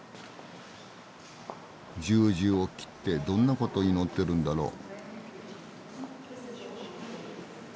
十字を切ってどんなこと祈ってるんだろう？